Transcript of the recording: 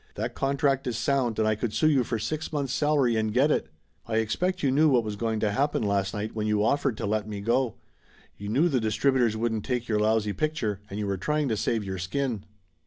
That contract is sound and I could sue you for six months' salary and get it! I expect you knew what was going to happen last night, when you offered to let me go! You knew the dis tributors wouldn't take your lousy picture, and you were trying to save your skin!"